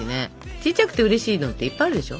ちっちゃくてうれしいのっていっぱいあるでしょ？